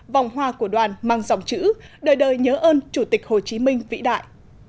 vòng hoa của đoàn mang dòng chữ đời đời nhớ ơn chủ tịch hồ chí minh vĩ đại